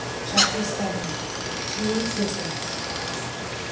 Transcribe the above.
CHAPTER VIL TWO VISITS.